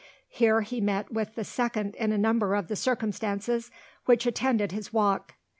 Here he met with the second in number of the circumstances which attended his walk.